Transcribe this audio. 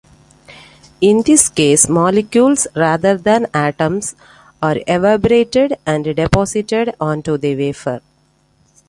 In this case, molecules, rather than atoms, are evaporated and deposited onto the wafer.